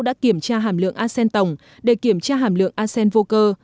đã kiểm tra hàm lượng arsen tổng để kiểm tra hàm lượng arsen vô cơ